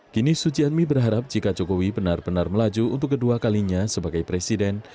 kini sujiatmi berharap jika jokowi benar benar melaju untuk kedua kalinya sebagai presiden